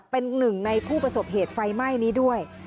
เป็นหนึ่งในผู้ประสบเหตุไฟไหม้นี้ด้วย